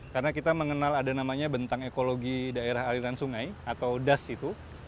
karena kita mengenal ada namanya bentang ekologi daerah aliran sungai atau das itu